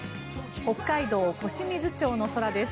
北海道小清水町の空です。